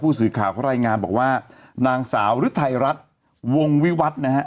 ผู้สื่อข่าวเขารายงานบอกว่านางสาวฮือไทรรัชวงวิบัตรนะฮะ